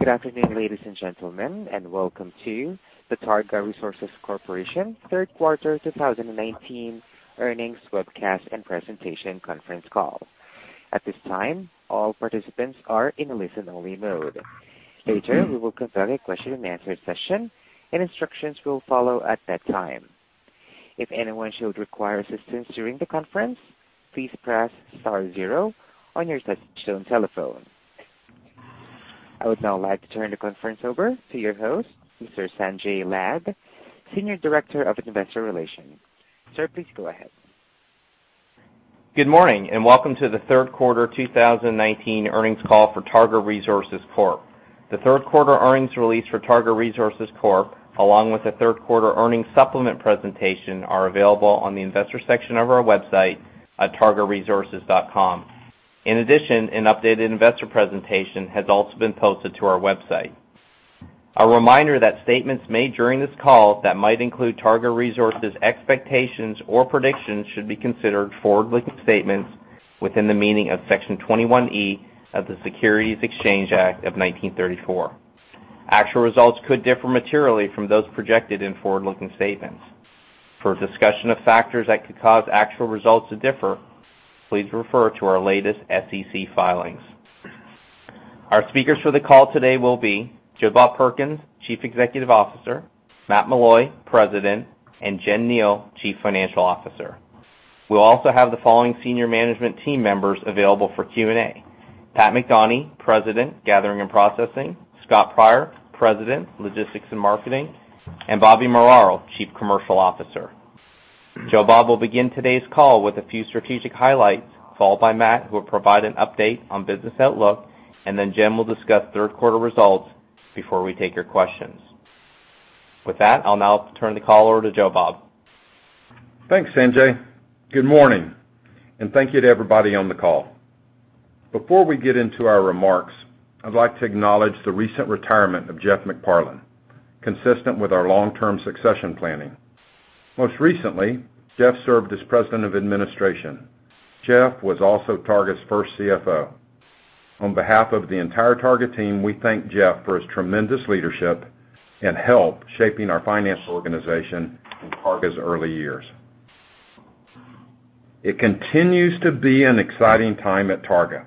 Good afternoon, ladies and gentlemen, and welcome to the Targa Resources Corporation third quarter 2019 earnings webcast and presentation conference call. At this time, all participants are in a listen-only mode. Later, we will conduct a question and answer session, and instructions will follow at that time. If anyone should require assistance during the conference, please press star zero on your touch-tone telephone. I would now like to turn the conference over to your host, Mr. Sanjay Lad, Senior Director of Investor Relations. Sir, please go ahead. Good morning, and welcome to the third quarter 2019 earnings call for Targa Resources Corp. The third quarter earnings release for Targa Resources Corp, along with the third quarter earnings supplement presentation, are available on the investor section of our website at targaresources.com. In addition, an updated investor presentation has also been posted to our website. A reminder that statements made during this call that might include Targa Resources expectations or predictions should be considered forward-looking statements within the meaning of Section 21E of the Securities Exchange Act of 1934. Actual results could differ materially from those projected in forward-looking statements. For a discussion of factors that could cause actual results to differ, please refer to our latest SEC filings. Our speakers for the call today will be Joe Bob Perkins, Chief Executive Officer, Matt Meloy, President, and Jen Kneale, Chief Financial Officer. We'll also have the following senior management team members available for Q&A. Pat McDonie, President, Gathering and Processing, Scott Pryor, President, Logistics and Marketing, and Bobby Muraro, Chief Commercial Officer. Joe Bob will begin today's call with a few strategic highlights, followed by Matt, who will provide an update on business outlook, and then Jen will discuss third quarter results before we take your questions. With that, I'll now turn the call over to Joe Bob. Thanks, Sanjay. Good morning, and thank you to everybody on the call. Before we get into our remarks, I'd like to acknowledge the recent retirement of Jeff McParland, consistent with our long-term succession planning. Most recently, Jeff served as President of Administration. Jeff was also Targa's first CFO. On behalf of the entire Targa team, we thank Jeff for his tremendous leadership and help shaping our finance organization in Targa's early years. It continues to be an exciting time at Targa.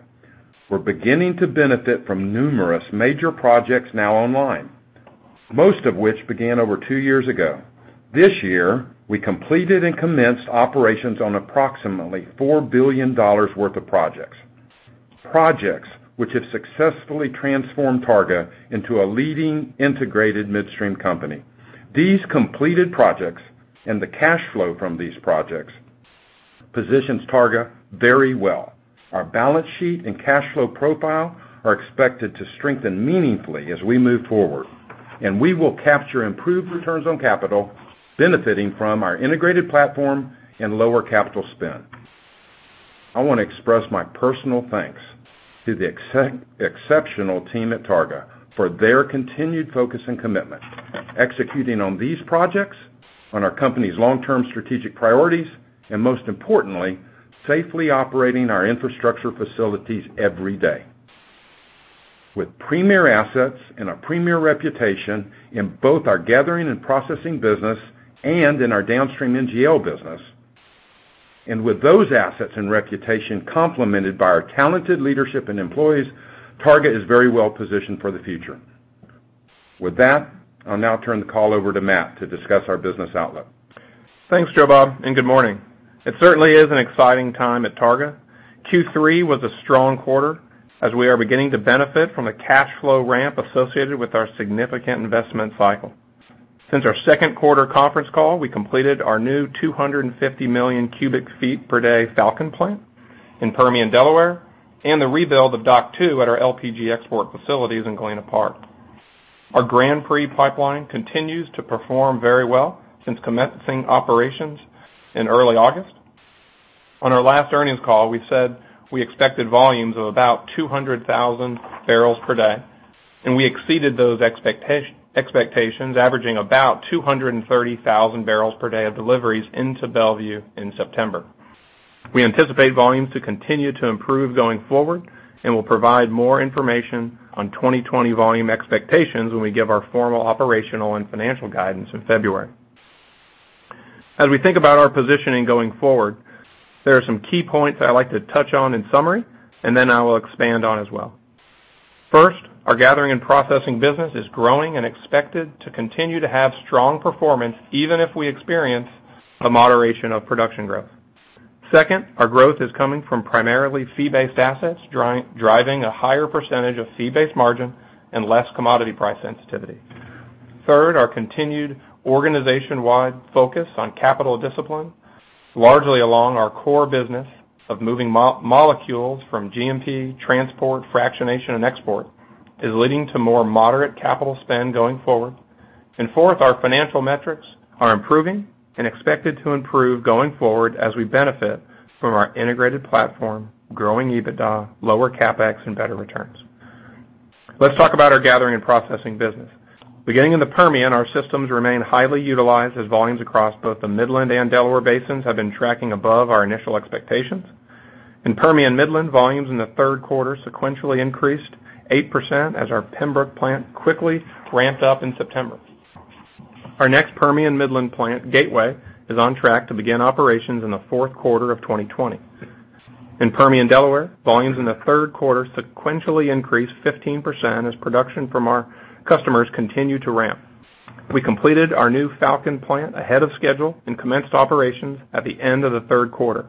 We're beginning to benefit from numerous major projects now online, most of which began over two years ago. This year, we completed and commenced operations on approximately $4 billion worth of projects. Projects which have successfully transformed Targa into a leading integrated midstream company. These completed projects and the cash flow from these projects positions Targa very well. Our balance sheet and cash flow profile are expected to strengthen meaningfully as we move forward, and we will capture improved returns on capital, benefiting from our integrated platform and lower capital spend. I want to express my personal thanks to the exceptional team at Targa for their continued focus and commitment, executing on these projects, on our company's long-term strategic priorities, and most importantly, safely operating our infrastructure facilities every day. With premier assets and a premier reputation in both our gathering and processing business and in our downstream NGL business, and with those assets and reputation complemented by our talented leadership and employees, Targa is very well positioned for the future. With that, I'll now turn the call over to Matt to discuss our business outlook. Thanks, Joe Bob. Good morning. It certainly is an exciting time at Targa. Q3 was a strong quarter as we are beginning to benefit from a cash flow ramp associated with our significant investment cycle. Since our second quarter conference call, we completed our new 250 million cubic feet per day Falcon plant in Permian Delaware, and the rebuild of Dock Two at our LPG export facilities in Galena Park. Our Grand Prix pipeline continues to perform very well since commencing operations in early August. On our last earnings call, we said we expected volumes of about 200,000 barrels per day. We exceeded those expectations, averaging about 230,000 barrels per day of deliveries into Bellevue in September. We anticipate volumes to continue to improve going forward and will provide more information on 2020 volume expectations when we give our formal operational and financial guidance in February. As we think about our positioning going forward, there are some key points I'd like to touch on in summary, and then I will expand on as well. First, our gathering and processing business is growing and expected to continue to have strong performance, even if we experience a moderation of production growth. Second, our growth is coming from primarily fee-based assets, driving a higher percentage of fee-based margin and less commodity price sensitivity. Third, our continued organization-wide focus on capital discipline, largely along our core business of moving molecules from GMP, transport, fractionation, and export, is leading to more moderate capital spend going forward. Fourth, our financial metrics are improving and expected to improve going forward as we benefit from our integrated platform, growing EBITDA, lower CapEx, and better returns. Let's talk about our gathering and processing business. Beginning in the Permian, our systems remain highly utilized as volumes across both the Midland and Delaware basins have been tracking above our initial expectations. In Permian Midland, volumes in the third quarter sequentially increased 8% as our Pembrook plant quickly ramped up in September. Our next Permian Midland plant, Gateway, is on track to begin operations in the fourth quarter of 2020. In Permian Delaware, volumes in the third quarter sequentially increased 15% as production from our customers continued to ramp. We completed our new Falcon plant ahead of schedule and commenced operations at the end of the third quarter.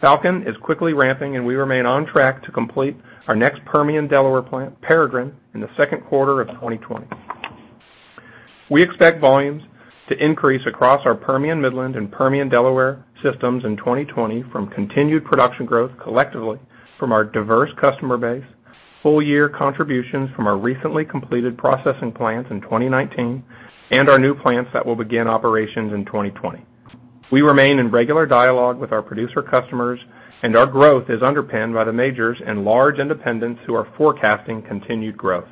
Falcon is quickly ramping, and we remain on track to complete our next Permian Delaware plant, Peregrine, in the second quarter of 2020. We expect volumes to increase across our Permian Midland and Permian Delaware systems in 2020 from continued production growth collectively from our diverse customer base, full year contributions from our recently completed processing plants in 2019, and our new plants that will begin operations in 2020. We remain in regular dialogue with our producer customers, and our growth is underpinned by the majors and large independents who are forecasting continued growth.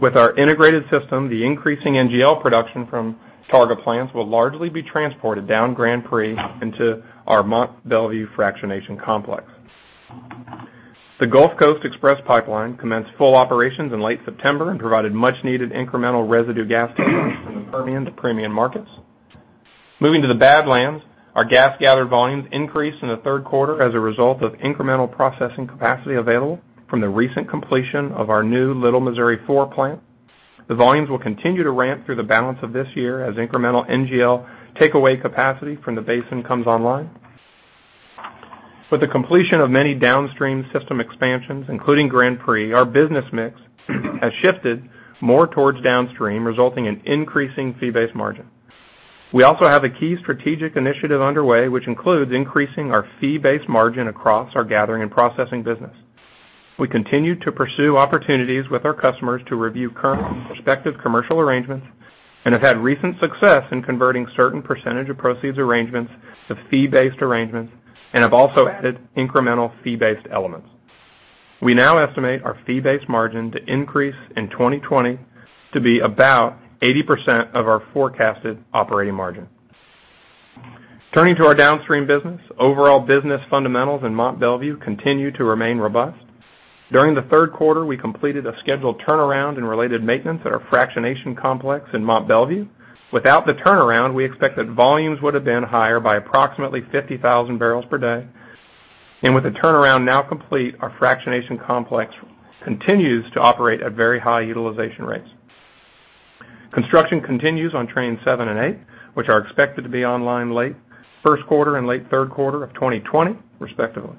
With our integrated system, the increasing NGL production from Targa plants will largely be transported down Grand Prix into our Mont Belvieu fractionation complex. The Gulf Coast Express pipeline commenced full operations in late September and provided much-needed incremental residue gas capacity from the Permian to premium markets. Moving to the Badlands, our gas gathered volumes increased in the third quarter as a result of incremental processing capacity available from the recent completion of our new Little Missouri 4 plant. The volumes will continue to ramp through the balance of this year as incremental NGL takeaway capacity from the basin comes online. With the completion of many downstream system expansions, including Grand Prix, our business mix has shifted more towards downstream, resulting in increasing fee-based margin. We also have a key strategic initiative underway, which includes increasing our fee-based margin across our gathering and processing business. We continue to pursue opportunities with our customers to review current and prospective commercial arrangements, and have had recent success in converting certain percentage of proceeds arrangements to fee-based arrangements, and have also added incremental fee-based elements. We now estimate our fee-based margin to increase in 2020 to be about 80% of our forecasted operating margin. Turning to our downstream business, overall business fundamentals in Mont Belvieu continue to remain robust. During the third quarter, we completed a scheduled turnaround and related maintenance at our fractionation complex in Mont Belvieu. Without the turnaround, we expect that volumes would have been higher by approximately 50,000 barrels per day. With the turnaround now complete, our fractionation complex continues to operate at very high utilization rates. Construction continues on Train 7 and 8, which are expected to be online late first quarter and late third quarter of 2020, respectively.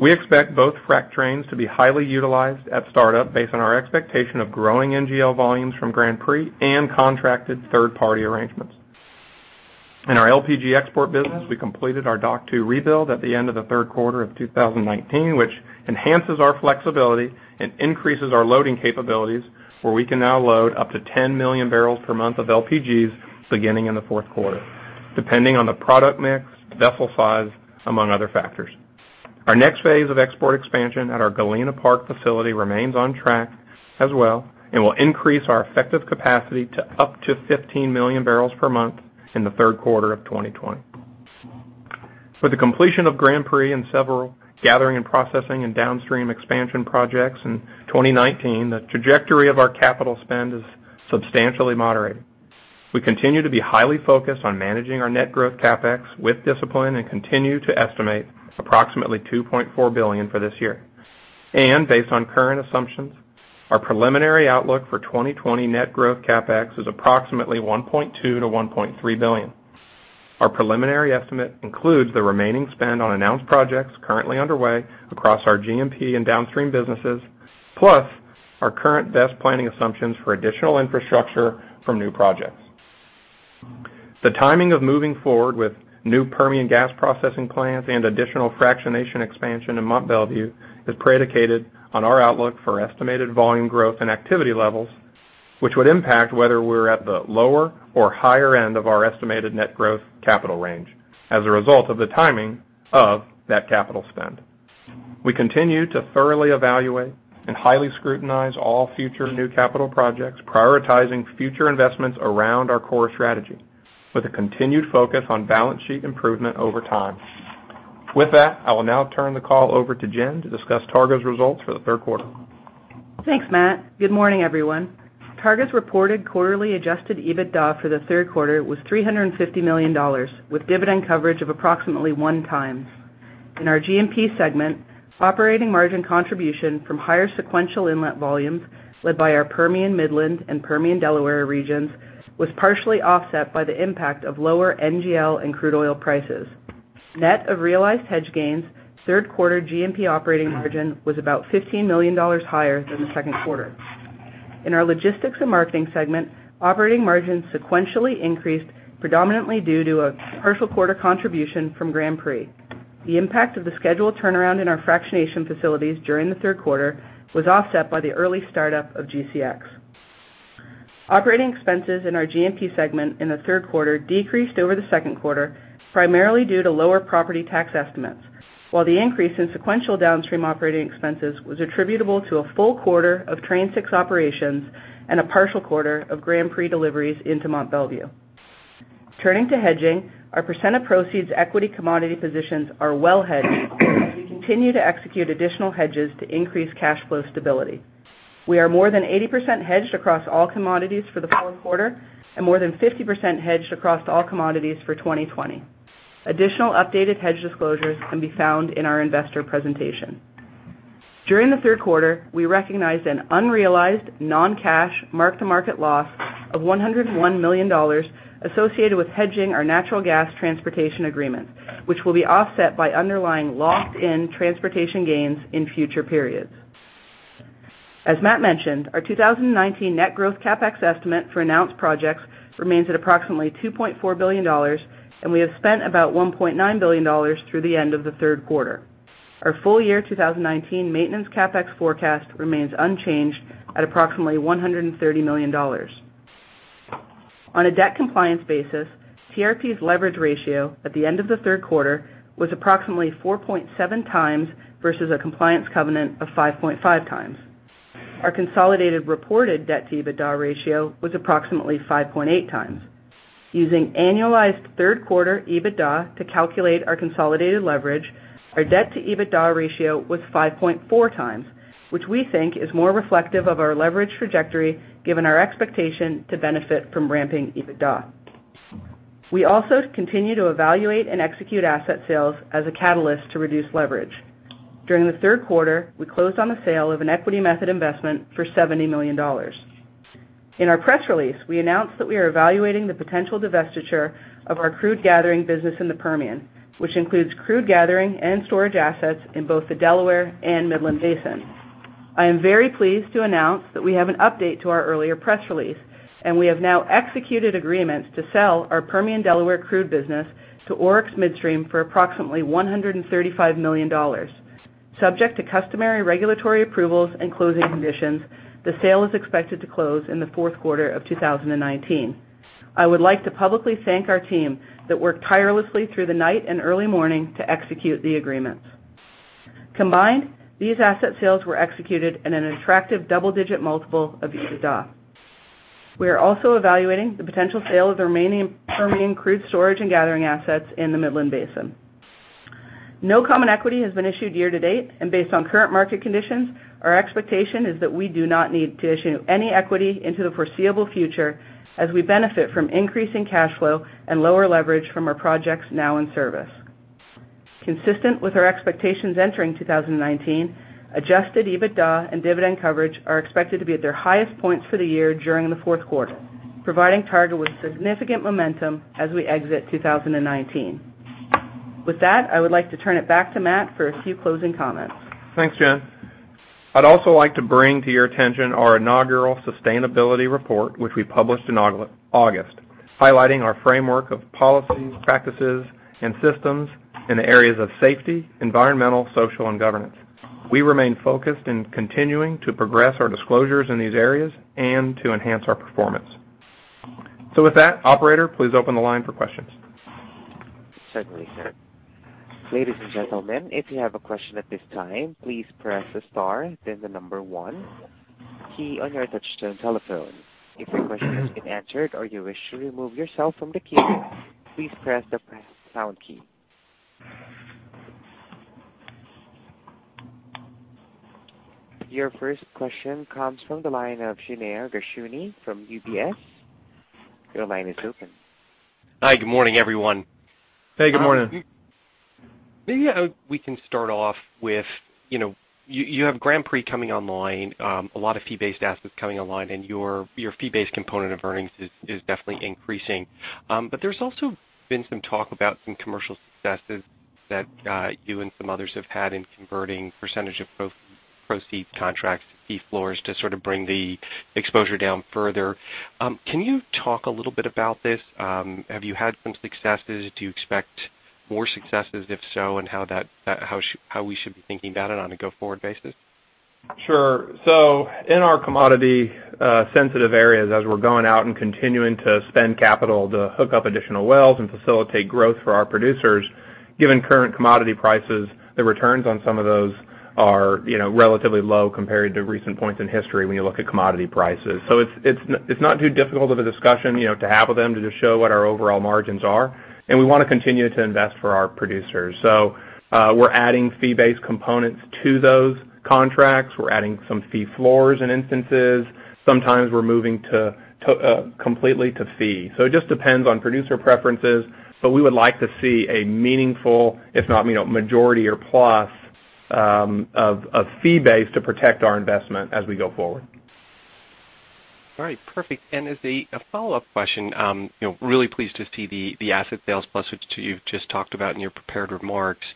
We expect both frac trains to be highly utilized at startup based on our expectation of growing NGL volumes from Grand Prix and contracted third-party arrangements. In our LPG export business, we completed our Dock Two rebuild at the end of the third quarter of 2019, which enhances our flexibility and increases our loading capabilities, where we can now load up to 10 million barrels per month of LPGs beginning in the fourth quarter, depending on the product mix, vessel size, among other factors. Our next phase of export expansion at our Galena Park facility remains on track as well and will increase our effective capacity to up to 15 million barrels per month in the third quarter of 2020. With the completion of Grand Prix and several gathering and processing and downstream expansion projects in 2019, the trajectory of our capital spend is substantially moderated. We continue to be highly focused on managing our net growth CapEx with discipline and continue to estimate approximately $2.4 billion for this year. Based on current assumptions, our preliminary outlook for 2020 net growth CapEx is approximately $1.2 billion-$1.3 billion. Our preliminary estimate includes the remaining spend on announced projects currently underway across our GMP and downstream businesses, plus our current best planning assumptions for additional infrastructure from new projects. The timing of moving forward with new Permian gas processing plants and additional fractionation expansion in Mont Belvieu is predicated on our outlook for estimated volume growth and activity levels, which would impact whether we're at the lower or higher end of our estimated net growth capital range as a result of the timing of that capital spend. We continue to thoroughly evaluate and highly scrutinize all future new capital projects, prioritizing future investments around our core strategy with a continued focus on balance sheet improvement over time. With that, I will now turn the call over to Jen to discuss Targa's results for the third quarter. Thanks, Matt. Good morning, everyone. Targa's reported quarterly adjusted EBITDA for the third quarter was $350 million, with dividend coverage of approximately one times. In our GMP segment, operating margin contribution from higher sequential inlet volumes led by our Permian Midland and Permian Delaware regions was partially offset by the impact of lower NGL and crude oil prices. Net of realized hedge gains, third quarter GMP operating margin was about $15 million higher than the second quarter. In our Logistics and Marketing segment, operating margins sequentially increased predominantly due to a partial quarter contribution from Grand Prix. The impact of the scheduled turnaround in our fractionation facilities during the third quarter was offset by the early start-up of GCX. Operating expenses in our GMP segment in the third quarter decreased over the second quarter, primarily due to lower property tax estimates. While the increase in sequential downstream operating expenses was attributable to a full quarter of Train Six operations and a partial quarter of Grand Prix deliveries into Mont Belvieu. Turning to hedging, our percent of proceeds equity commodity positions are well hedged, and we continue to execute additional hedges to increase cash flow stability. We are more than 80% hedged across all commodities for the fourth quarter, and more than 50% hedged across all commodities for 2020. Additional updated hedge disclosures can be found in our investor presentation. During the third quarter, we recognized an unrealized non-cash mark-to-market loss of $101 million associated with hedging our natural gas transportation agreement, which will be offset by underlying locked-in transportation gains in future periods. As Matt mentioned, our 2019 net growth CapEx estimate for announced projects remains at approximately $2.4 billion. We have spent about $1.9 billion through the end of the third quarter. Our full-year 2019 maintenance CapEx forecast remains unchanged at approximately $130 million. On a debt compliance basis, CRP's leverage ratio at the end of the third quarter was approximately 4.7 times versus a compliance covenant of 5.5 times. Our consolidated reported debt-to-EBITDA ratio was approximately 5.8 times. Using annualized third quarter EBITDA to calculate our consolidated leverage, our debt-to-EBITDA ratio was 5.4 times, which we think is more reflective of our leverage trajectory given our expectation to benefit from ramping EBITDA. We also continue to evaluate and execute asset sales as a catalyst to reduce leverage. During the third quarter, we closed on the sale of an equity method investment for $70 million. In our press release, we announced that we are evaluating the potential divestiture of our crude gathering business in the Permian, which includes crude gathering and storage assets in both the Delaware and Midland Basin. I am very pleased to announce that we have an update to our earlier press release, and we have now executed agreements to sell our Permian Delaware crude business to Oryx Midstream for approximately $135 million. Subject to customary regulatory approvals and closing conditions, the sale is expected to close in the fourth quarter of 2019. I would like to publicly thank our team that worked tirelessly through the night and early morning to execute the agreements. Combined, these asset sales were executed at an attractive double-digit multiple of EBITDA. We are also evaluating the potential sale of the remaining Permian crude storage and gathering assets in the Midland Basin. No common equity has been issued year-to-date, and based on current market conditions, our expectation is that we do not need to issue any equity into the foreseeable future as we benefit from increasing cash flow and lower leverage from our projects now in service. Consistent with our expectations entering 2019, adjusted EBITDA and dividend coverage are expected to be at their highest points for the year during the fourth quarter, providing Targa with significant momentum as we exit 2019. With that, I would like to turn it back to Matt for a few closing comments. Thanks, Jen. I'd also like to bring to your attention our inaugural sustainability report, which we published in August, highlighting our framework of policies, practices, and systems in the areas of safety, environmental, social, and governance. We remain focused on continuing to progress our disclosures in these areas and to enhance our performance. With that, operator, please open the line for questions. Certainly, sir. Ladies and gentlemen, if you have a question at this time, please press the star, then the number 1 key on your touch-tone telephone. If your question has been answered or you wish to remove yourself from the queue, please press the pound key. Your first question comes from the line of Shneur Gershuni from UBS. Your line is open. Hi, good morning, everyone. Hey, good morning. Maybe we can start off with, you have Grand Prix coming online, a lot of fee-based assets coming online, and your fee-based component of earnings is definitely increasing. But there's also been some talk about some commercial successes that you and some others have had in converting percentage of proceeds contracts fee floors to sort of bring the exposure down further. Can you talk a little bit about this? Have you had some successes? Do you expect more successes? If so, how should we be thinking about it on a go-forward basis? Sure. In our commodity-sensitive areas, as we're going out and continuing to spend capital to hook up additional wells and facilitate growth for our producers, given current commodity prices, the returns on some of those are relatively low compared to recent points in history when you look at commodity prices. It's not too difficult of a discussion to have with them to just show what our overall margins are, and we want to continue to invest for our producers. We're adding fee-based components to those contracts. We're adding some fee floors in instances. Sometimes we're moving completely to fee. It just depends on producer preferences, but we would like to see a meaningful, if not majority or plus, of fee-based to protect our investment as we go forward. All right, perfect. As a follow-up question, really pleased to see the asset sales plus, which you've just talked about in your prepared remarks.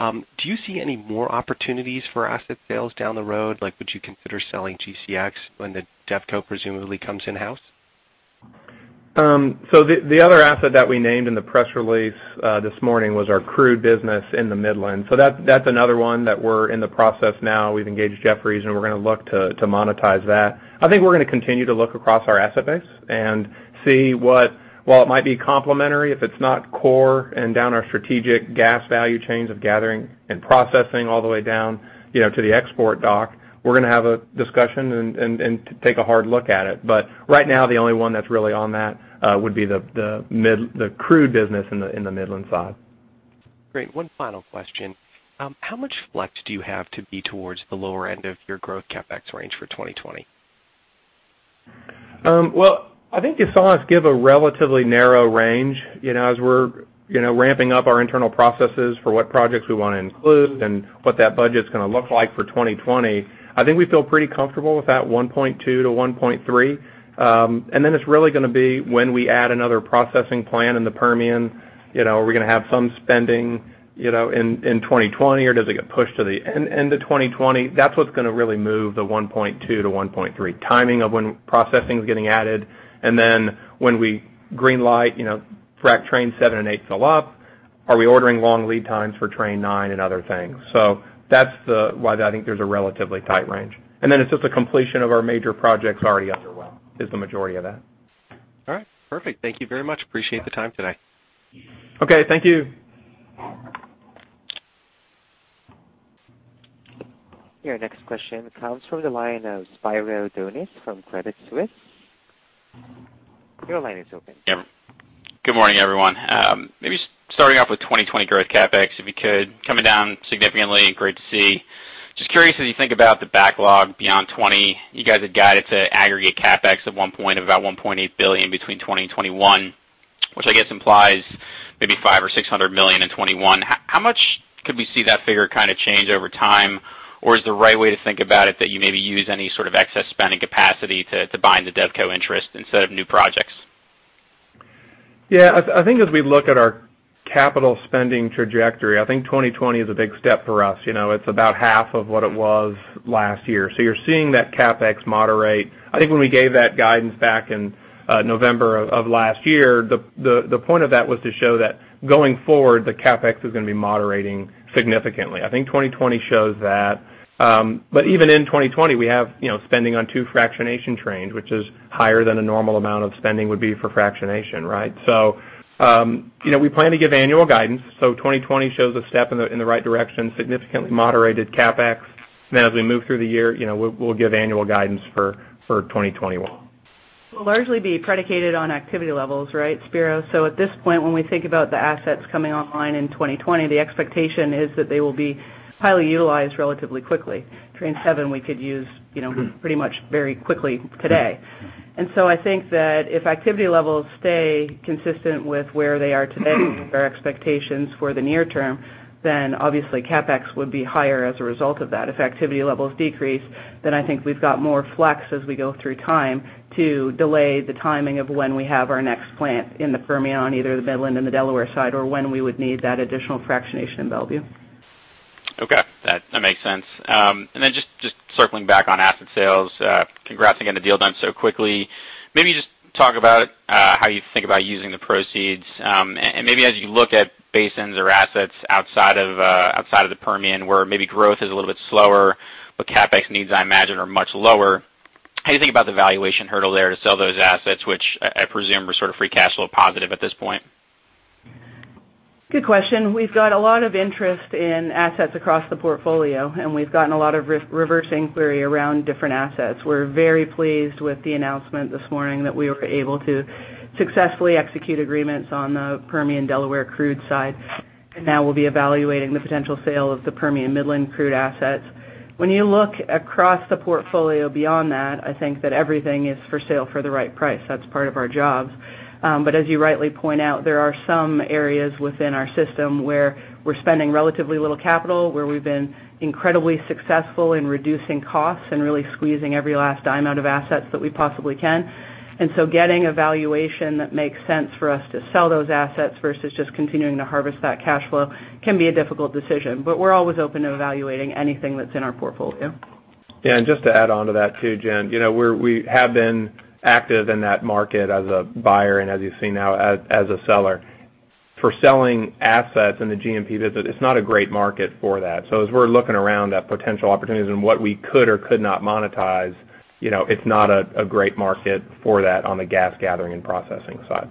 Do you see any more opportunities for asset sales down the road? Would you consider selling GCX when the DevCo presumably comes in-house? The other asset that we named in the press release this morning was our crude business in the Midland. That's another one that we're in the process now. We've engaged Jefferies, and we're going to look to monetize that. I think we're going to continue to look across our asset base and see what might be complementary. If it's not core and down our strategic gas value chains of gathering and processing all the way down to the export dock, we're going to have a discussion and take a hard look at it. Right now, the only one that's really on that would be the crude business in the Midland side. Great. One final question. How much flex do you have to be towards the lower end of your growth CapEx range for 2020? Well, I think you saw us give a relatively narrow range as we're ramping up our internal processes for what projects we want to include and what that budget's going to look like for 2020. I think we feel pretty comfortable with that $1.2-$1.3. It's really going to be when we add another processing plant in the Permian. Are we going to have some spending in 2020, or does it get pushed to the end of 2020? That's what's going to really move the $1.2-$1.3 timing of when processing is getting added. When we green-light Train 7 and 8 fill up, are we ordering long lead times for Train 9 and other things? That's why I think there's a relatively tight range. It's just a completion of our major projects already underway is the majority of that. All right. Perfect. Thank you very much. Appreciate the time today. Okay. Thank you. Your next question comes from the line of Spiro Dounis from Credit Suisse. Your line is open. Good morning, everyone. Maybe starting off with 2020 growth CapEx, if you could. Coming down significantly, great to see. Just curious, as you think about the backlog beyond 2020, you guys had guided to aggregate CapEx at one point of about $1.8 billion between 2020 and 2021, which I guess implies maybe five or $600 million in 2021. How much could we see that figure change over time? Is the right way to think about it that you maybe use any sort of excess spending capacity to bind the DevCo interest instead of new projects? Yeah. I think as we look at our capital spending trajectory, I think 2020 is a big step for us. It's about half of what it was last year. You're seeing that CapEx moderate. I think when we gave that guidance back in November of last year, the point of that was to show that going forward, the CapEx is going to be moderating significantly. I think 2020 shows that. Even in 2020, we have spending on two fractionation trains, which is higher than a normal amount of spending would be for fractionation, right? We plan to give annual guidance, so 2020 shows a step in the right direction, significantly moderated CapEx. As we move through the year, we'll give annual guidance for 2021. It will largely be predicated on activity levels, right, Spiro? At this point, when we think about the assets coming online in 2020, the expectation is that they will be highly utilized relatively quickly. Train 7 we could use pretty much very quickly today. I think that if activity levels stay consistent with where they are today with our expectations for the near term, then obviously CapEx would be higher as a result of that. If activity levels decrease, then I think we've got more flex as we go through time to delay the timing of when we have our next plant in the Permian, either the Midland and the Delaware side, or when we would need that additional fractionation in Belvieu. Okay. That makes sense. Just circling back on asset sales. Congrats on getting the deal done so quickly. Maybe just talk about how you think about using the proceeds. Maybe as you look at basins or assets outside of the Permian where maybe growth is a little bit slower, but CapEx needs, I imagine, are much lower. How do you think about the valuation hurdle there to sell those assets, which I presume are sort of free cash flow positive at this point? Good question. We've got a lot of interest in assets across the portfolio, and we've gotten a lot of reverse inquiry around different assets. We're very pleased with the announcement this morning that we were able to successfully execute agreements on the Permian Delaware crude side, and now we'll be evaluating the potential sale of the Permian Midland crude assets. When you look across the portfolio beyond that, I think that everything is for sale for the right price. That's part of our jobs. But as you rightly point out, there are some areas within our system where we're spending relatively little capital, where we've been incredibly successful in reducing costs and really squeezing every last dime out of assets that we possibly can. Getting a valuation that makes sense for us to sell those assets versus just continuing to harvest that cash flow can be a difficult decision. We're always open to evaluating anything that's in our portfolio. Just to add onto that, too, Jen, we have been active in that market as a buyer, and as you've seen now, as a seller. For selling assets in the GMP business, it's not a great market for that. As we're looking around at potential opportunities and what we could or could not monetize, it's not a great market for that on the gas gathering and processing side.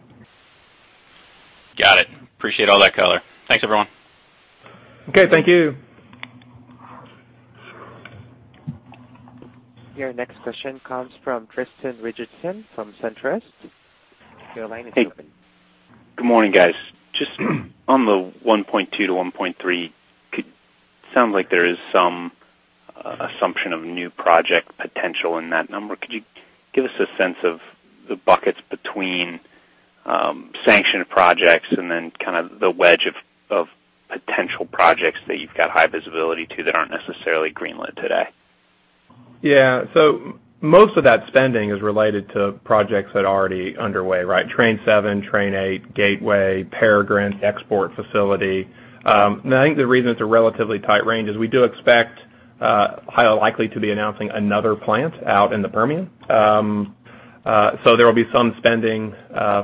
Got it. Appreciate all that color. Thanks, everyone. Okay, thank you. Your next question comes from Tristan Richardson from SunTrust. Your line is open. Hey. Good morning, guys. Just on the $1.2-$1.3, sounds like there is some assumption of new project potential in that number. Could you give us a sense of the buckets between sanctioned projects and then the wedge of potential projects that you've got high visibility to that aren't necessarily greenlit today? Yeah. Most of that spending is related to projects that are already underway, right? Train 7, Train 8, Gateway, Peregrine export facility. I think the reason it's a relatively tight range is we're highly likely to be announcing another plant out in the Permian. There will be some spending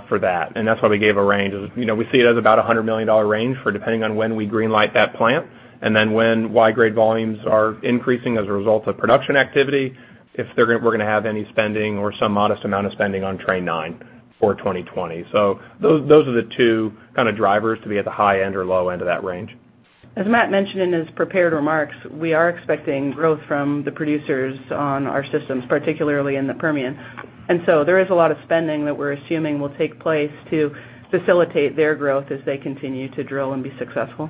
for that, and that's why we gave a range. We see it as about $100 million range for depending on when we green-light that plant, and then when Y-grade volumes are increasing as a result of production activity, if we're going to have any spending or some modest amount of spending on Train 9 for 2020. Those are the two kind of drivers to be at the high end or low end of that range. As Matt mentioned in his prepared remarks, we are expecting growth from the producers on our systems, particularly in the Permian. There is a lot of spending that we're assuming will take place to facilitate their growth as they continue to drill and be successful.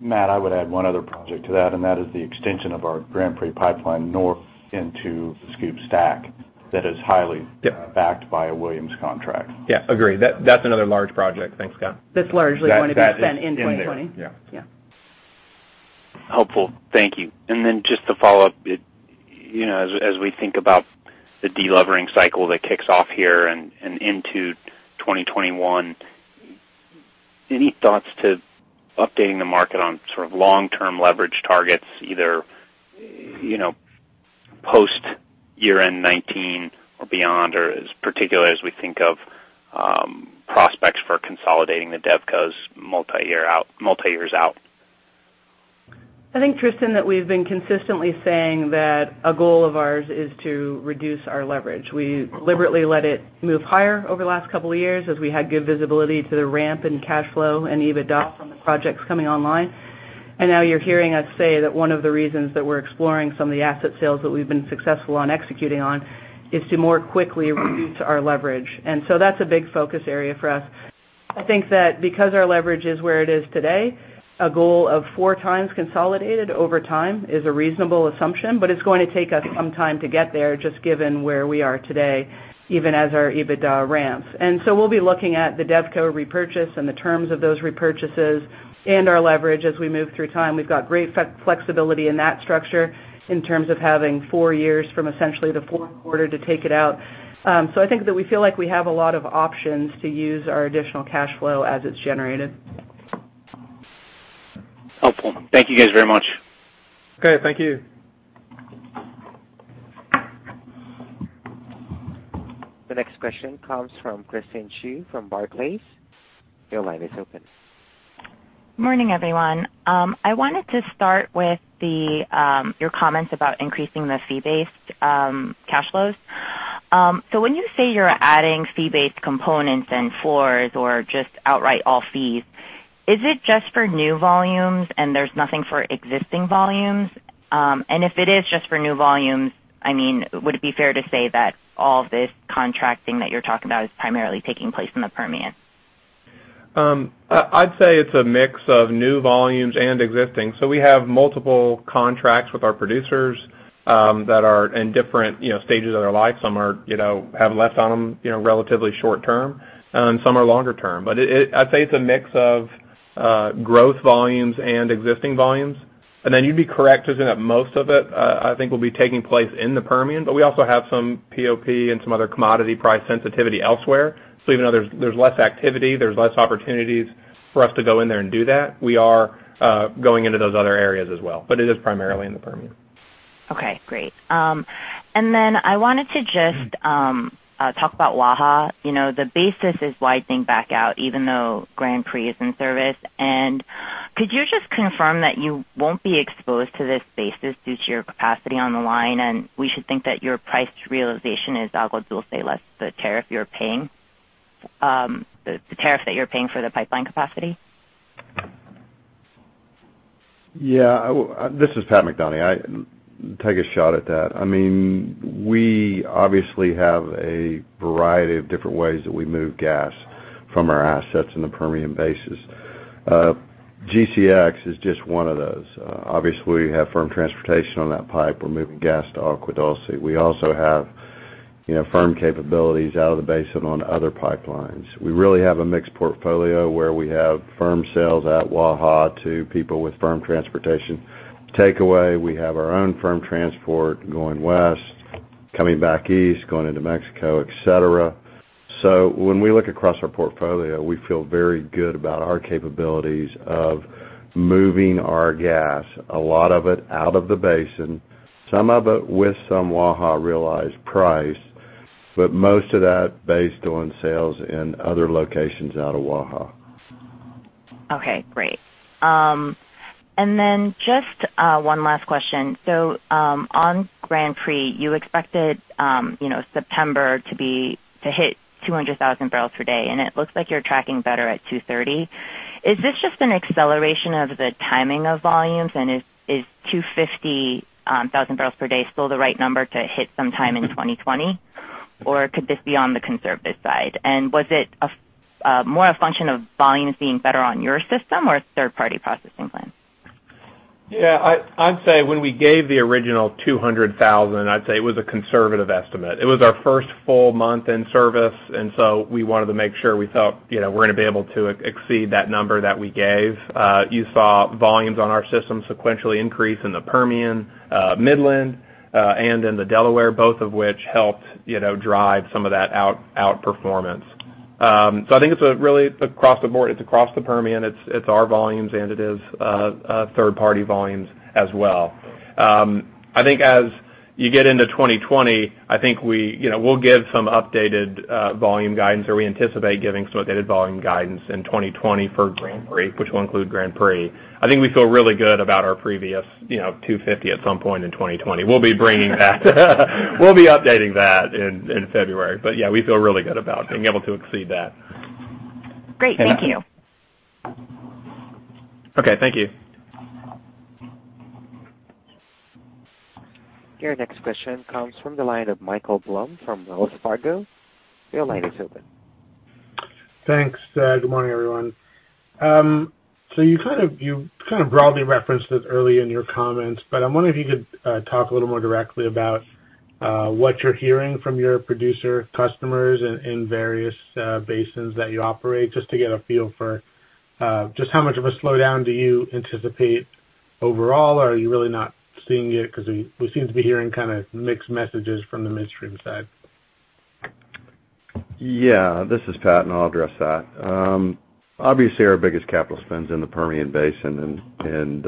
Matt, I would add one other project to that, and that is the extension of our Grand Prix pipeline north into the SCOOP/STACK that is highly- Yeah backed by a Williams contract. Yeah, agreed. That's another large project. Thanks, Scott. That's largely going to be spent in 2020. That is in there. Yeah. Yeah. Helpful. Thank you. Then just to follow up, as we think about the de-levering cycle that kicks off here and into 2021, any thoughts to updating the market on sort of long-term leverage targets, either post-year end 2019 or beyond, or as particular as we think of prospects for consolidating the DevCos multi-years out? I think, Tristan, that we've been consistently saying that a goal of ours is to reduce our leverage. We deliberately let it move higher over the last couple of years as we had good visibility to the ramp in cash flow and EBITDA from the projects coming online. Now you're hearing us say that one of the reasons that we're exploring some of the asset sales that we've been successful on executing on is to more quickly reduce our leverage. That's a big focus area for us. I think that because our leverage is where it is today, a goal of four times consolidated over time is a reasonable assumption, but it's going to take us some time to get there just given where we are today, even as our EBITDA ramps. We'll be looking at the DevCo repurchase and the terms of those repurchases and our leverage as we move through time. We've got great flexibility in that structure in terms of having four years from essentially the fourth quarter to take it out. I think that we feel like we have a lot of options to use our additional cash flow as it's generated. Helpful. Thank you guys very much. Okay, thank you. The next question comes from Theresa Chen from Barclays. Your line is open. Morning, everyone. I wanted to start with your comments about increasing the fee-based cash flows. When you say you're adding fee-based components and floors or just outright all fees, is it just for new volumes and there's nothing for existing volumes? If it is just for new volumes, would it be fair to say that all this contracting that you're talking about is primarily taking place in the Permian? I'd say it's a mix of new volumes and existing. We have multiple contracts with our producers that are in different stages of their life. Some have less on them, relatively short-term, and some are longer-term. I'd say it's a mix of growth volumes and existing volumes. You'd be correct, Theresa, that most of it, I think, will be taking place in the Permian, but we also have some POP and some other commodity price sensitivity elsewhere. Even though there's less activity, there's less opportunities for us to go in there and do that, we are going into those other areas as well, but it is primarily in the Permian. Okay, great. I wanted to just talk about Waha. The basis is widening back out, even though Grand Prix is in service. Could you just confirm that you won't be exposed to this basis due to your capacity on the line, and we should think that your price realization is Agua Dulce less the tariff you're paying for the pipeline capacity? This is Pat McDonie. I take a shot at that. We obviously have a variety of different ways that we move gas from our assets in the Permian Basin. GCX is just one of those. We have firm transportation on that pipe. We're moving gas to Agua Dulce. We also have firm capabilities out of the basin on other pipelines. We really have a mixed portfolio where we have firm sales at Waha to people with firm transportation takeaway. We have our own firm transport going west, coming back east, going into Mexico, et cetera. When we look across our portfolio, we feel very good about our capabilities of moving our gas, a lot of it out of the basin, some of it with some Waha realized price, but most of that based on sales in other locations out of Waha. Okay, great. Just one last question. On Grand Prix, you expected September to hit 200,000 barrels per day, and it looks like you're tracking better at 230. Is this just an acceleration of the timing of volumes, and is 250,000 barrels per day still the right number to hit sometime in 2020? Could this be on the conservative side? Was it more a function of volumes being better on your system or third-party processing plants? I'd say when we gave the original 200,000, I'd say it was a conservative estimate. It was our first full month in service. We wanted to make sure we felt we're going to be able to exceed that number that we gave. You saw volumes on our system sequentially increase in the Permian, Midland, and in the Delaware, both of which helped drive some of that outperformance. I think it's really across the board. It's across the Permian, it's our volumes, and it is third-party volumes as well. I think as you get into 2020, I think we'll give some updated volume guidance, or we anticipate giving some updated volume guidance in 2020 for Grand Prix, which will include Grand Prix. I think we feel really good about our previous 250 at some point in 2020. We'll be bringing that. We'll be updating that in February. Yeah, we feel really good about being able to exceed that. Great. Thank you. Okay. Thank you. Your next question comes from the line of Michael Blum from Wells Fargo. Your line is open. Thanks. Good morning, everyone. You kind of broadly referenced this early in your comments, but I'm wondering if you could talk a little more directly about what you're hearing from your producer customers in various basins that you operate, just to get a feel for just how much of a slowdown do you anticipate overall, or are you really not seeing it? We seem to be hearing kind of mixed messages from the midstream side. Yeah. This is Pat, and I'll address that. Obviously, our biggest capital spend's in the Permian Basin and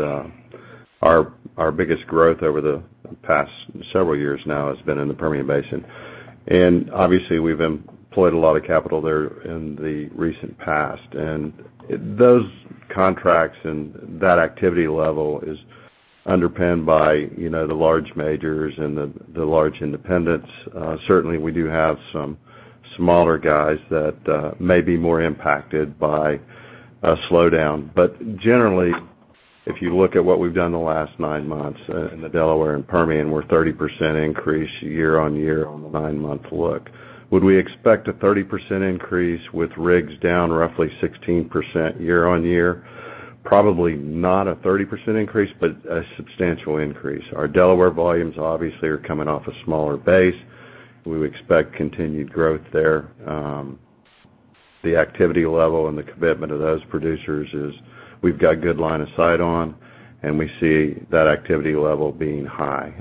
our biggest growth over the past several years now has been in the Permian Basin. Obviously, we've employed a lot of capital there in the recent past. Those contracts and that activity level is underpinned by the large majors and the large independents. Certainly, we do have some smaller guys that may be more impacted by a slowdown. Generally, if you look at what we've done in the last nine months in the Delaware and Permian, we're 30% increase year-on-year on the nine-month look. Would we expect a 30% increase with rigs down roughly 16% year-on-year? Probably not a 30% increase, but a substantial increase. Our Delaware volumes obviously are coming off a smaller base. We expect continued growth there. The activity level and the commitment of those producers we've got good line of sight on, and we see that activity level being high.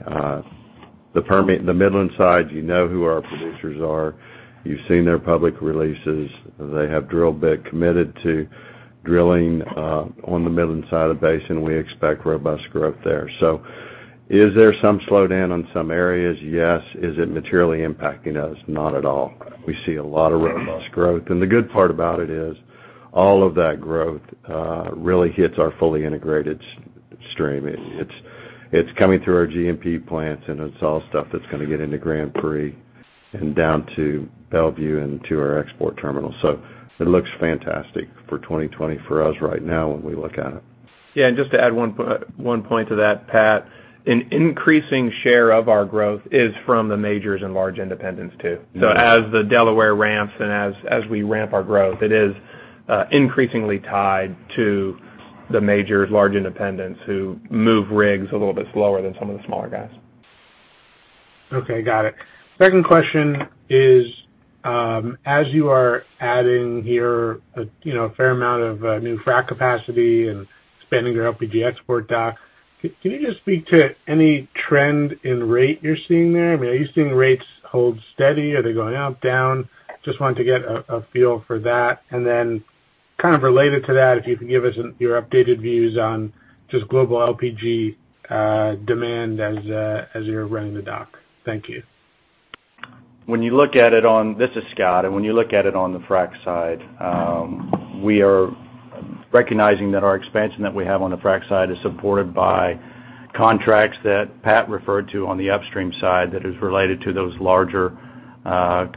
The Midland side, you know who our producers are. You've seen their public releases. They have drill bit committed to drilling on the Midland side of the basin. We expect robust growth there. Is there some slowdown on some areas? Yes. Is it materially impacting us? Not at all. We see a lot of robust growth. The good part about it is all of that growth really hits our fully integrated stream. It's coming through our GMP plants, and it's all stuff that's going to get into Grand Prix and down to Mont Belvieu and to our export terminal. It looks fantastic for 2020 for us right now when we look at it. Just to add one point to that, Pat, an increasing share of our growth is from the majors and large independents, too. As the Delaware ramps and as we ramp our growth, it is increasingly tied to the majors, large independents who move rigs a little bit slower than some of the smaller guys. Okay. Got it. Second question is, as you are adding here a fair amount of new frac capacity and expanding your LPG export dock, can you just speak to any trend in rate you're seeing there? Are you seeing rates hold steady? Are they going up, down? Just wanted to get a feel for that. Then kind of related to that, if you could give us your updated views on just global LPG demand as you're running the dock. Thank you. This is Scott. When you look at it on the frac side, we are recognizing that our expansion that we have on the frac side is supported by contracts that Pat referred to on the upstream side that is related to those larger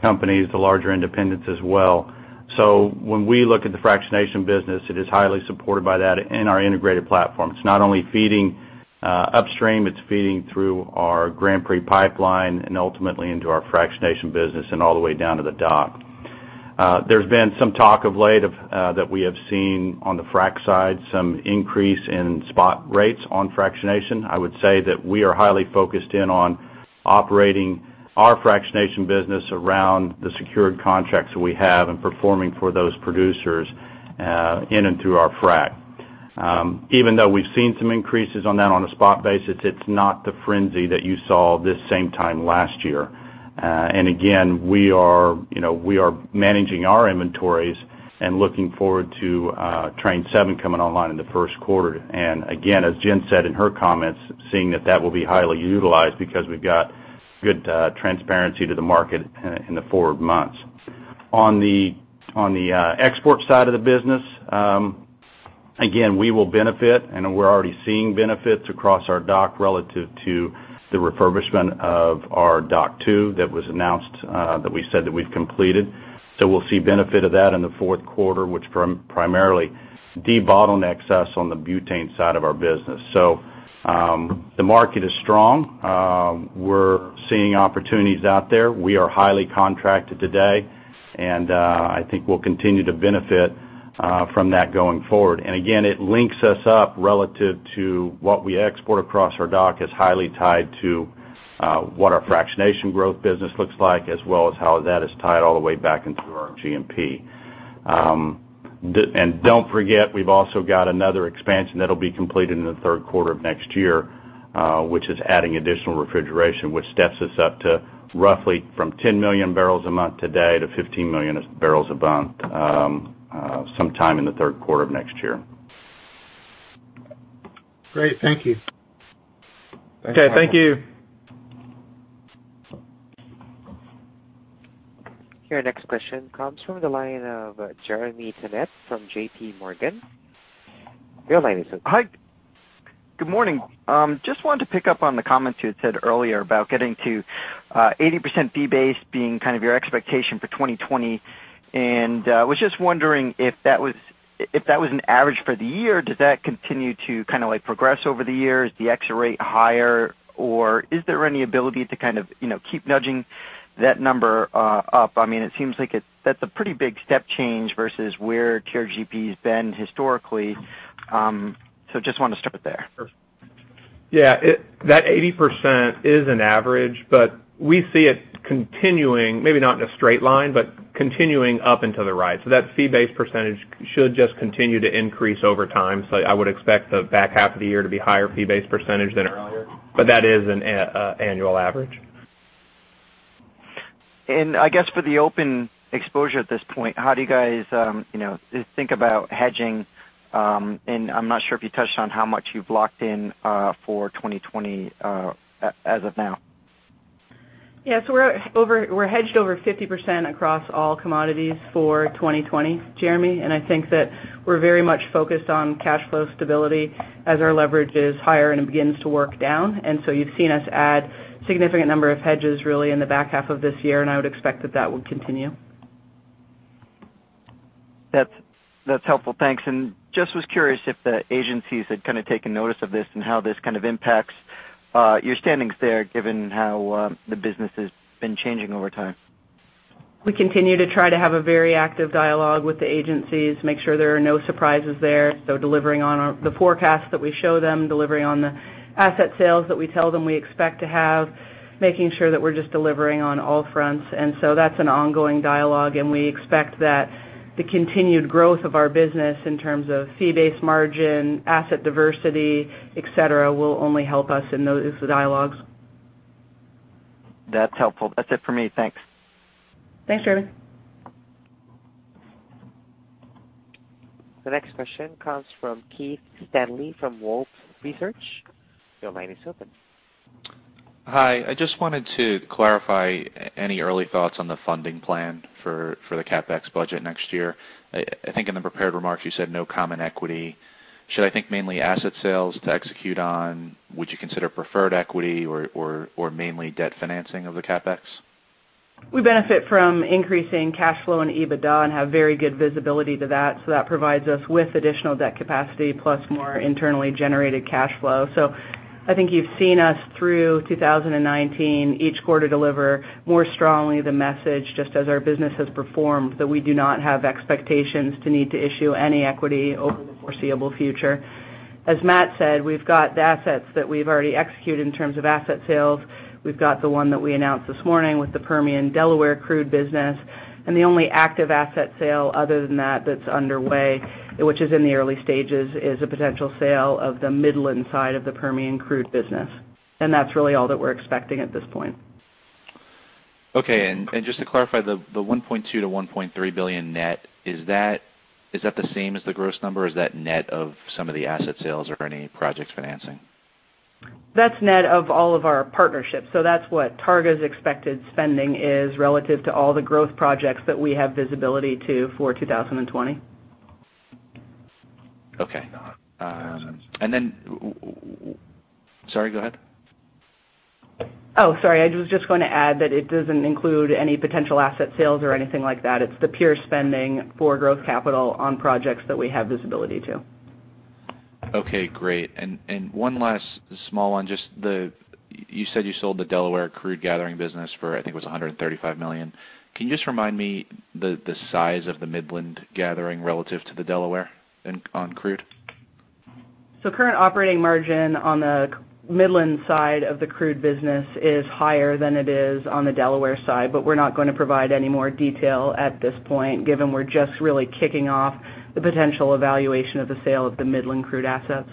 companies, the larger independents as well. When we look at the fractionation business, it is highly supported by that in our integrated platform. It's not only feeding upstream, it's feeding through our Grand Prix pipeline and ultimately into our fractionation business and all the way down to the dock. There's been some talk of late that we have seen on the frac side some increase in spot rates on fractionation. I would say that we are highly focused in on operating our fractionation business around the secured contracts that we have and performing for those producers in and through our frac. Even though we've seen some increases on that on a spot basis, it's not the frenzy that you saw this same time last year. Again, we are managing our inventories and looking forward to Train 7 coming online in the first quarter. Again, as Jen said in her comments, seeing that will be highly utilized because we've got good transparency to the market in the forward months. On the export side of the business, again, we will benefit, and we're already seeing benefits across our dock relative to the refurbishment of our Dock Two that was announced, that we said that we've completed. We'll see benefit of that in the fourth quarter, which primarily debottlenecks us on the butane side of our business. The market is strong. We're seeing opportunities out there. We are highly contracted today. I think we'll continue to benefit from that going forward. Again, it links us up relative to what we export across our dock is highly tied to what our fractionation growth business looks like, as well as how that is tied all the way back into our GMP. Don't forget, we've also got another expansion that'll be completed in the third quarter of next year, which is adding additional refrigeration, which steps us up to roughly from 10 million barrels a month today to 15 million barrels a month sometime in the third quarter of next year. Great. Thank you. Thanks. Okay, thank you. Your next question comes from the line of Jeremy Tonet from JPMorgan. Your line is open. Hi. Good morning. Just wanted to pick up on the comments you had said earlier about getting to 80% fee-based being kind of your expectation for 2020. Was just wondering if that was an average for the year. Does that continue to kind of progress over the years, the extra rate higher? Is there any ability to kind of keep nudging that number up? It seems like that's a pretty big step change versus where TRGP has been historically. Just want to start there. Yeah. That 80% is an average. We see it continuing, maybe not in a straight line, but continuing up and to the right. That fee-based percentage should just continue to increase over time. I would expect the back half of the year to be higher fee-based percentage than earlier. That is an annual average. I guess for the open exposure at this point, how do you guys think about hedging? I'm not sure if you touched on how much you've locked in for 2020 as of now. Yeah. We're hedged over 50% across all commodities for 2020, Jeremy, I think that we're very much focused on cash flow stability as our leverage is higher and it begins to work down. You've seen us add significant number of hedges really in the back half of this year, and I would expect that that will continue. That's helpful. Thanks. Just was curious if the agencies had kind of taken notice of this and how this kind of impacts your standings there, given how the business has been changing over time. We continue to try to have a very active dialogue with the agencies, make sure there are no surprises there. Delivering on the forecast that we show them, delivering on the asset sales that we tell them we expect to have, making sure that we're just delivering on all fronts. That's an ongoing dialogue, and we expect that the continued growth of our business in terms of fee-based margin, asset diversity, et cetera, will only help us in those dialogues. That's helpful. That's it for me. Thanks. Thanks, Jeremy. The next question comes from Keith Stanley from Wolfe Research. Your line is open. Hi. I just wanted to clarify any early thoughts on the funding plan for the CapEx budget next year. I think in the prepared remarks, you said no common equity. Should I think mainly asset sales to execute on? Would you consider preferred equity or mainly debt financing of the CapEx? We benefit from increasing cash flow and EBITDA and have very good visibility to that. That provides us with additional debt capacity plus more internally generated cash flow. I think you've seen us through 2019, each quarter deliver more strongly the message just as our business has performed, that we do not have expectations to need to issue any equity over the foreseeable future. As Matt said, we've got the assets that we've already executed in terms of asset sales. We've got the one that we announced this morning with the Permian Delaware crude business. The only active asset sale other than that that's underway, which is in the early stages, is a potential sale of the Midland side of the Permian crude business. That's really all that we're expecting at this point. Okay. Just to clarify, the $1.2 billion-$1.3 billion net, is that the same as the gross number? Is that net of some of the asset sales or any projects financing? That's net of all of our partnerships. That's what Targa's expected spending is relative to all the growth projects that we have visibility to for 2020. Okay. Sorry, go ahead. Oh, sorry. I was just going to add that it doesn't include any potential asset sales or anything like that. It's the pure spending for growth capital on projects that we have visibility to. Okay, great. One last small one. You said you sold the Delaware crude gathering business for, I think it was $135 million. Can you just remind me the size of the Midland gathering relative to the Delaware on crude? Current operating margin on the Midland side of the crude business is higher than it is on the Delaware side, but we're not going to provide any more detail at this point given we're just really kicking off the potential evaluation of the sale of the Midland crude assets.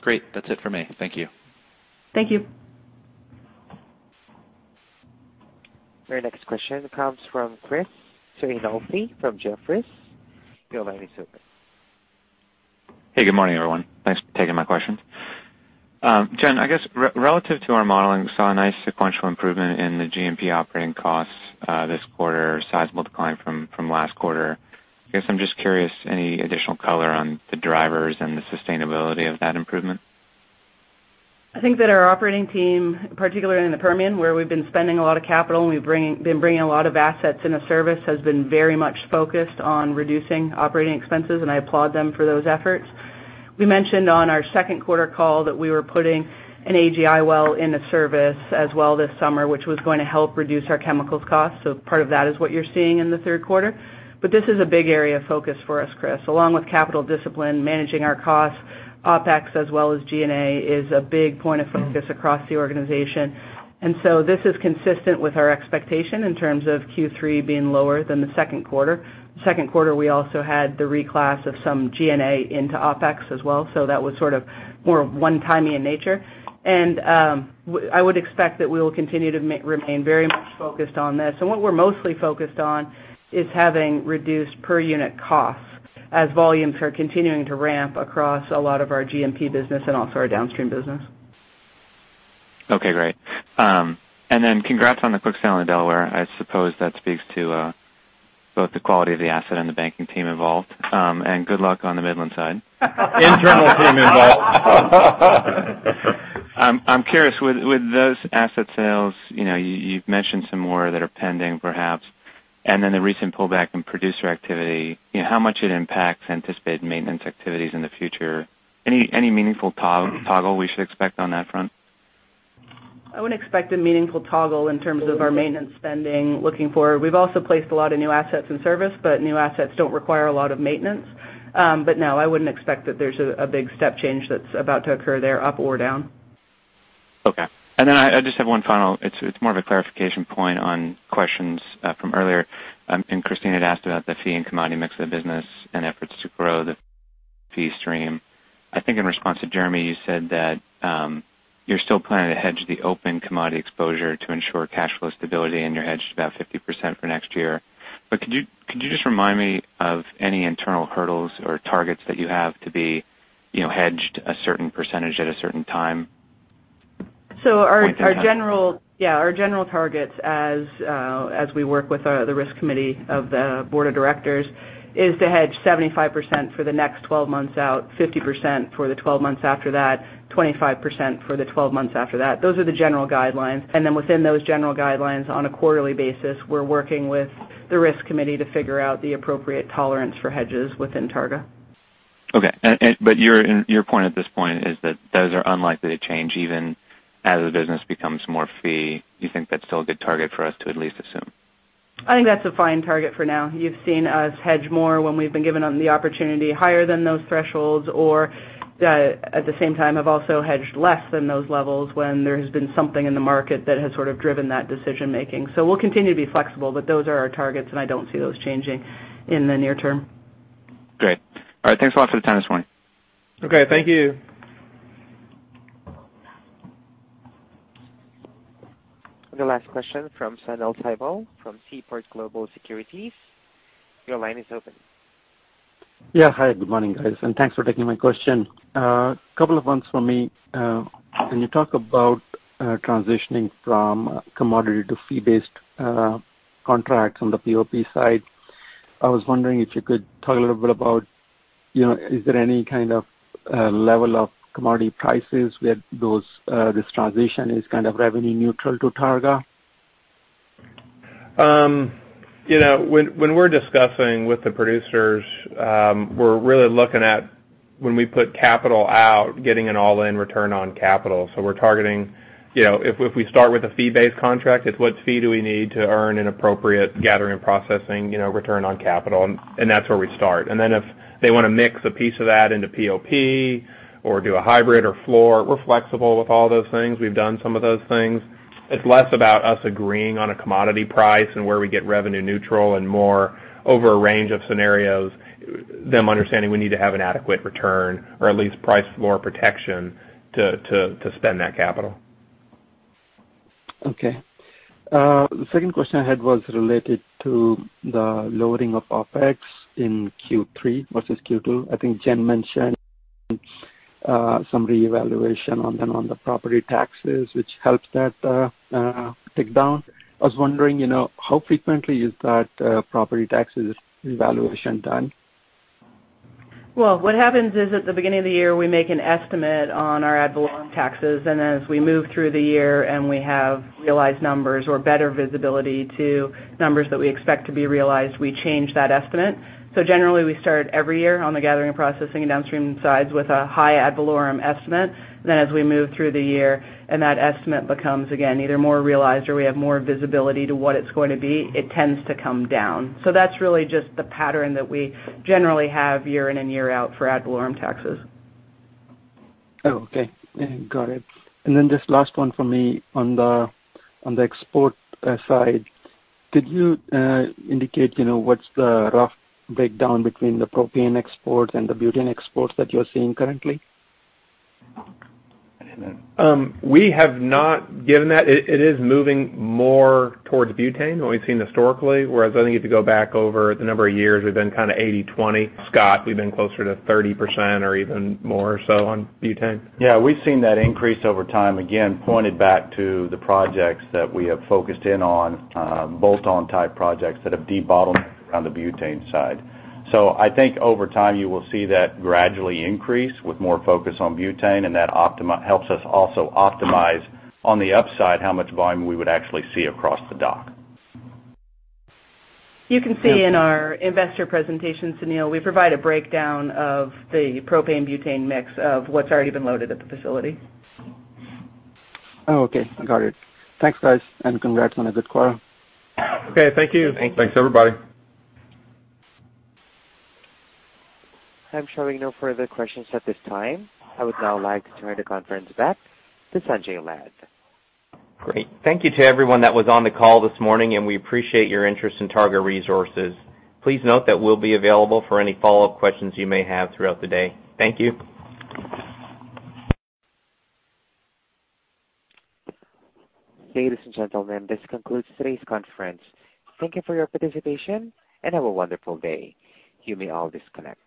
Great. That's it for me. Thank you. Thank you. Your next question comes from Chris Sighinolfi from Jefferies. Your line is open. Hey, good morning, everyone. Thanks for taking my question. Jen, I guess relative to our modeling, we saw a nice sequential improvement in the GMP operating costs this quarter, a sizable decline from last quarter. I guess I'm just curious, any additional color on the drivers and the sustainability of that improvement? I think that our operating team, particularly in the Permian, where we've been spending a lot of capital, and we've been bringing a lot of assets into service, has been very much focused on reducing operating expenses, and I applaud them for those efforts. We mentioned on our second quarter call that we were putting an AGI well into service as well this summer, which was going to help reduce our chemicals costs. Part of that is what you're seeing in the third quarter. This is a big area of focus for us, Chris. Along with capital discipline, managing our costs, OpEx as well as G&A is a big point of focus across the organization. This is consistent with our expectation in terms of Q3 being lower than the second quarter. Second quarter, we also had the reclass of some G&A into OpEx as well. That was sort of more one-timey in nature. I would expect that we will continue to remain very much focused on this. What we're mostly focused on is having reduced per unit costs as volumes are continuing to ramp across a lot of our GMP business and also our downstream business. Okay, great. Congrats on the quick sale in Delaware. I suppose that speaks to both the quality of the asset and the banking team involved. Good luck on the Midland side. Internal team involved. I'm curious, with those asset sales, you've mentioned some more that are pending, perhaps, and then the recent pullback in producer activity, how much it impacts anticipated maintenance activities in the future. Any meaningful toggle we should expect on that front? I wouldn't expect a meaningful toggle in terms of our maintenance spending looking forward. We've also placed a lot of new assets in service, but new assets don't require a lot of maintenance. No, I wouldn't expect that there's a big step change that's about to occur there, up or down. Okay. I just have one final, it's more of a clarification point on questions from earlier. Christine had asked about the fee and commodity mix of the business and efforts to grow the fee stream. I think in response to Jeremy, you said that you're still planning to hedge the open commodity exposure to ensure cash flow stability, and you're hedged about 50% for next year. Could you just remind me of any internal hurdles or targets that you have to be hedged a certain percentage at a certain time? Yeah. Our general targets as we work with the risk committee of the board of directors is to hedge 75% for the next 12 months out, 50% for the 12 months after that, 25% for the 12 months after that. Those are the general guidelines. Within those general guidelines, on a quarterly basis, we're working with the risk committee to figure out the appropriate tolerance for hedges within Targa. Okay. Your point at this point is that those are unlikely to change even as the business becomes more fee. You think that's still a good target for us to at least assume? I think that's a fine target for now. You've seen us hedge more when we've been given the opportunity higher than those thresholds, or at the same time have also hedged less than those levels when there has been something in the market that has sort of driven that decision-making. We'll continue to be flexible, but those are our targets, and I don't see those changing in the near term. Great. All right, thanks a lot for the time this morning. Okay, thank you. The last question from Sunil Sibal from Seaport Global Securities. Your line is open. Yeah. Hi, good morning, guys. Thanks for taking my question. A couple of ones from me. When you talk about transitioning from commodity to fee-based contracts on the POP side, I was wondering if you could talk a little bit about, is there any kind of level of commodity prices where this transition is kind of revenue neutral to Targa? When we're discussing with the producers, we're really looking at when we put capital out, getting an all-in return on capital. We're targeting, if we start with a fee-based contract, it's what fee do we need to earn an appropriate gathering, processing, return on capital, and that's where we start. If they want to mix a piece of that into POP or do a hybrid or floor, we're flexible with all those things. We've done some of those things. It's less about us agreeing on a commodity price and where we get revenue neutral and more over a range of scenarios, them understanding we need to have an adequate return or at least price floor protection to spend that capital. Okay. The second question I had was related to the lowering of OpEx in Q3 versus Q2. I think Jen mentioned some reevaluation on the property taxes, which helped that tick down. I was wondering, how frequently is that property taxes evaluation done? Well, what happens is at the beginning of the year, we make an estimate on our ad valorem taxes, and as we move through the year and we have realized numbers or better visibility to numbers that we expect to be realized, we change that estimate. Generally, we start every year on the gathering, processing, and downstream sides with a high ad valorem estimate. As we move through the year and that estimate becomes, again, either more realized or we have more visibility to what it's going to be, it tends to come down. That's really just the pattern that we generally have year in and year out for ad valorem taxes. Oh, okay. Got it. Just last one for me. On the export side, could you indicate what's the rough breakdown between the propane exports and the butane exports that you're seeing currently? We have not given that. It is moving more towards butane than we've seen historically, whereas I think if you go back over the number of years, we've been kind of 80/20. Scott, we've been closer to 30% or even more so on butane? Yeah, we've seen that increase over time, again, pointed back to the projects that we have focused in on, bolt-on type projects that have debottlenecked on the butane side. I think over time, you will see that gradually increase with more focus on butane, and that helps us also optimize on the upside how much volume we would actually see across the dock. You can see in our investor presentation, Sunil, we provide a breakdown of the propane butane mix of what's already been loaded at the facility. Oh, okay. Got it. Thanks, guys, and congrats on a good quarter. Okay, thank you. Thanks, everybody. I'm showing no further questions at this time. I would now like to turn the conference back to Sanjay Lad. Great. Thank you to everyone that was on the call this morning, and we appreciate your interest in Targa Resources. Please note that we'll be available for any follow-up questions you may have throughout the day. Thank you. Ladies and gentlemen, this concludes today's conference. Thank you for your participation, and have a wonderful day. You may all disconnect.